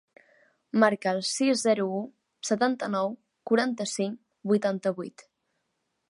Marca el sis, zero, u, setanta-nou, quaranta-cinc, vuitanta-vuit.